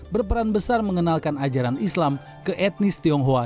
berperan besar mengenalkan ajaran islam ke etnis tionghoa